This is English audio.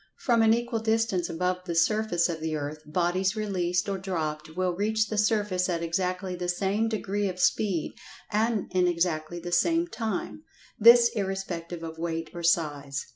From an equal distance above the surface of the earth, bodies released, or dropped, will reach the surface at exactly the same degree of speed, and in exactly the same time—this irrespective of weight or size.